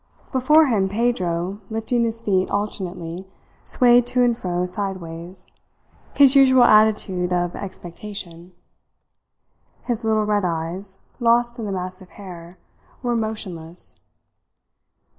Before him Pedro, lifting his feet alternately, swayed to and fro sideways his usual attitude of expectation. His little red eyes, lost in the mass of hair, were motionless.